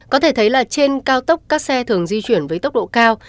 có thể thấy là trên cao tốc các xe thường di chuyển với tốc độ cao